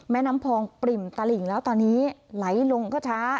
น้ำพองปริ่มตลิ่งแล้วตอนนี้ไหลลงก็ช้า